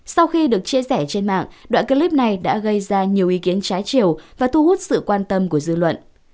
sau khi được chia sẻ trên mạng đoạn clip này đã gây ra nhiều ý kiến trái chiều và thu hút sự quan tâm của dư luận